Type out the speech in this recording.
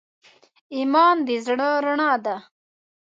ایمان د زړه رڼا ده.